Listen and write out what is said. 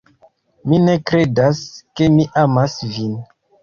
Mi ne kredas ke mi amas vin.